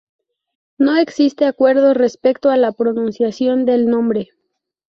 No existe acuerdo respecto a la pronunciación del nombre.